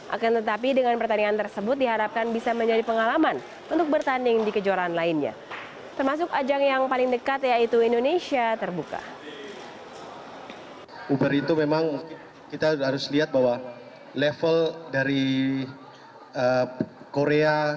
akan tetapi dengan pertandingan tersebut diharapkan bisa menjadi pengalaman untuk bertanding di kejuaraan lainnya